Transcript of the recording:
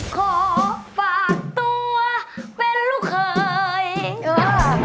ขอฝากตัวเป็นลูกห่าง